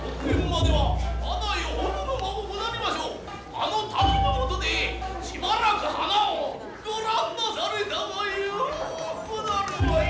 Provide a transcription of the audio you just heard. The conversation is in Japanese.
「あの滝の下でしばらく花をご覧なされたがようござるわい」。